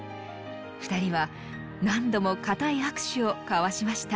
２人は何度も固い握手を交わしました。